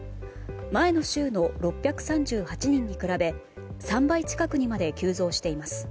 前の週の６３８人に比べ３倍近くにまで急増しています。